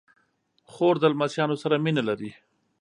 خور د لمسيانو سره مینه لري.